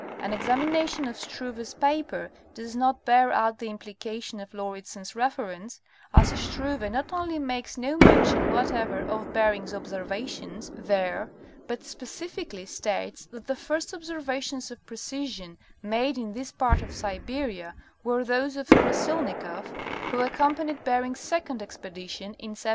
An exam ination of Struve's paper does not bear out the implication of Lauridsen's reference, as Struve not only makes no mention what ever of Bering's observations there but specifically states that the first observations of precision made in this part of Siberia were those of Krassilnikoff who accompanied Bering's second expedi tion in 1741.